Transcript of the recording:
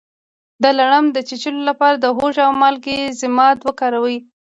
د لړم د چیچلو لپاره د هوږې او مالګې ضماد وکاروئ